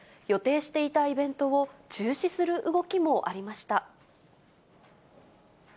予定していたイベントを中止する動きもありました。